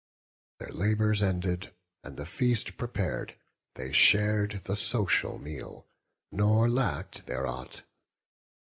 Their labours ended, and the feast prepar'd, They shared the social meal, nor lacked there aught.